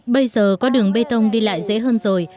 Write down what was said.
bây giờ có đường bê tông đi lại dễ hơn rồi